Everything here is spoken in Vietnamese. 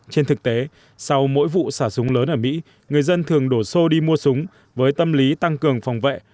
trên thực tế sau mỗi vụ xả súng lớn ở mỹ người dân thường đổ xô đi mua súng với tâm lý tăng cường phòng vệ